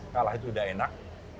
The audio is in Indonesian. kalah itu tidak enak